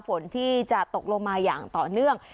ฝนที่จะตกลงมาอย่างต่อเนื่อง